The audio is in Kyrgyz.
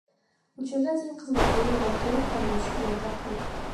Учурда дин кызматкери убактылуу кармоочу жайда камакта.